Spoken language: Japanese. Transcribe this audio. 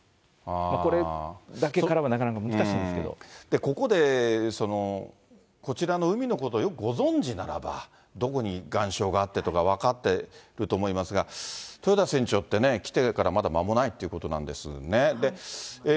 これだけからはなかなか難しいんここで、こちらの海のことをよくご存じならば、どこに岩礁があってとか分かってると思いますが、豊田船長ってね、来てからまだ間もないっていうことなんですよね。